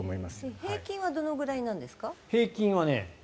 平均はどれくらいなんですか？